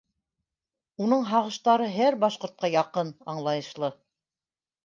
Уның һағыштары һәр башҡортҡа яҡын, аңлайышлы...